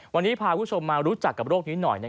วันนี้พาคุณผู้ชมมารู้จักกับโรคนี้หน่อย